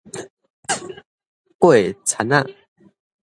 過田仔